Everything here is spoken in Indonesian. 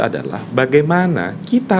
adalah bagaimana kita